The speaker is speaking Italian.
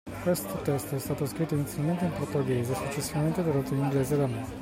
Questo testo è stato scritto inizialmente in portoghese e successivamente tradotto in inglese da me.